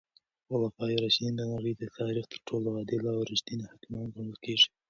خلفای راشدین د نړۍ د تاریخ تر ټولو عادل او رښتیني حاکمان ګڼل کیږي.